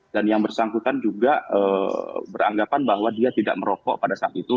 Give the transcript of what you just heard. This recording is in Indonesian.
dan yang bersangkutan juga beranggapan bahwa dia tidak merokok pada saat itu